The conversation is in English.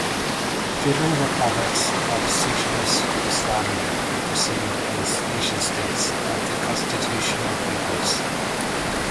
The federal republics of Socialist Yugoslavia were perceived as nation-states of the constitutional peoples.